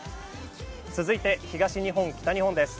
続いて東日本、北日本です。